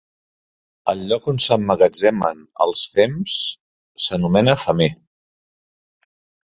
El lloc on s'emmagatzemen els fems s'anomena femer.